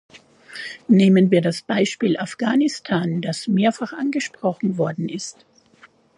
Nehmen wir das Beispiel Afghanistan, das mehrfach angesprochen worden ist.